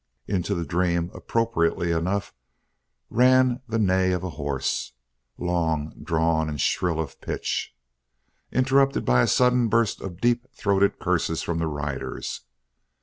Into the dream, appropriately enough, ran the neigh of a horse, long drawn and shrill of pitch, interrupted by a sudden burst of deep throated curses from the riders.